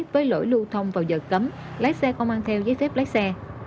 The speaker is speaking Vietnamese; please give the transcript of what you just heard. với lỗi lưu thông vào giờ cấm lái xe không mang theo giấy phép lái xe